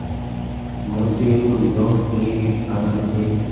Ku munsi w’ihuriro nk’iri “Rwanda Day”